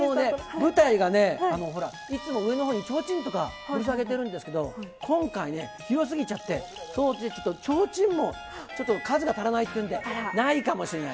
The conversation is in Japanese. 舞台がね、ほら、いつも上のほうにちょうちんとかぶら提げてるんですけど、今回、広すぎちゃって、そのうちちょっと、ちょうちんも、ちょっと数が足らないっていうので、ないかもしれない。